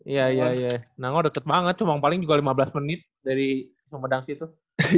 iya iya nangor deket banget cuman paling juga lima belas menit dari pemedang sih tuh